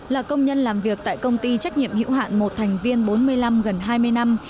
là công nhân làm việc tại công ty trách nhiệm hữu hạn một thành viên bốn mươi năm gần hai mươi năm